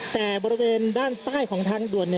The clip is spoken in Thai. แต่บริเวณด้านใต้ของทางด่วน